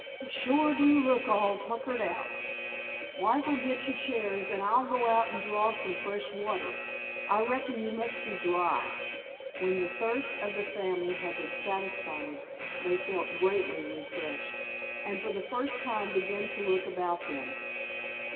Ye shore do look all tuckered out. Wife'll git ye chairs, an' I'll go out an' draw up some fresh water. I reckon ye must be dry." When the thirst of the family had been satisfied they felt greatly refreshed, and for the first time began to look about them.